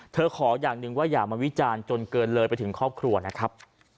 ขออย่างหนึ่งว่าอย่ามาวิจารณ์จนเกินเลยไปถึงครอบครัวนะครับ